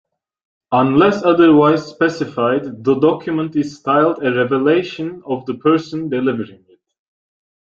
Unless otherwise specified, the document is styled a "revelation" of the person delivering it.